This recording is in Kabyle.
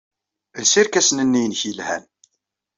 Els irkasen-nni-nnek yelhan.